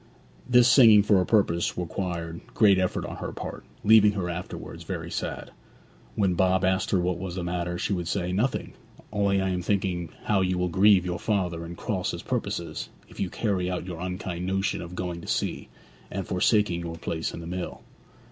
This singing for a purpose required great effort on her part, leaving her afterwards very sad. When Bob asked her what was the matter, she would say, 'Nothing; only I am thinking how you will grieve your father, and cross his purposes, if you carry out your unkind notion of going to sea, and forsaking your place in the mill.'